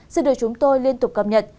sẽ được chúng tôi liên tục cập nhật